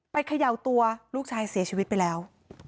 เขย่าตัวลูกชายเสียชีวิตไปแล้ว